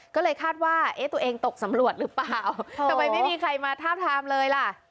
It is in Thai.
ก็เลยคาดว่าเอ๊ะตัวเองตกสำรวจหรือเปล่าทำไมไม่มีใครมาทาบทามเลยล่ะ